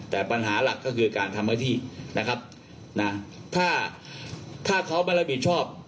แต่ปัญหาหลักก็คือการทำหน้าที่นะครับนะถ้าถ้าเขาไม่รับผิดชอบ